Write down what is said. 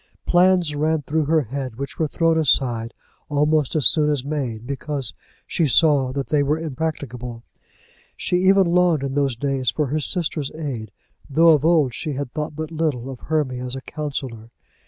Plans ran through her head which were thrown aside almost as soon as made, because she saw that they were impracticable. She even longed in these days for her sister's aid, though of old she had thought but little of Hermy as a counsellor.